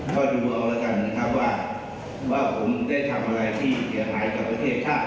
ก็ดูเอาแล้วกันนะครับว่าผมได้ทำอะไรที่เสียหายกับประเทศชาติ